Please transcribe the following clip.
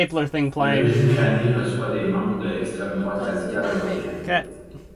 Le régime iranien reçoit des membres de l'extrême droite radicale européenne.